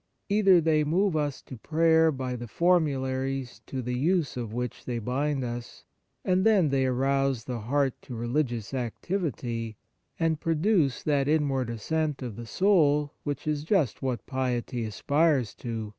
Either they move us to prayer by the for mularies to the use of which they bind us, and then they arouse the heart to religious activity, and pro duce that inward ascent of the soul which is just what piety aspires to.